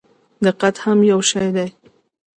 دقت هم یو شی دی.